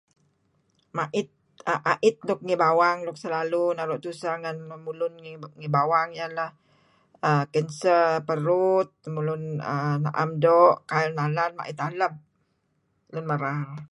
A'it nuk ngi bawang nuk selalu tuseh ngen lemulun ngi bawang ialah kenser perut, lemulun 'am doo' kail nalan mait aleb, lun merar.